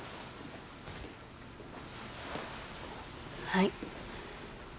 はい。